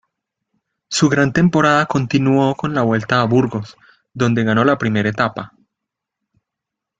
Su gran temporada continuó con la Vuelta a Burgos, donde ganó la primera etapa.